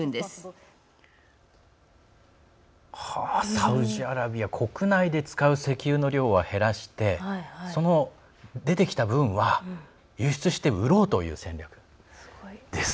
サウジアラビア国内で使う石油の量は減らして、その出てきた分は輸出して売ろうという戦略です。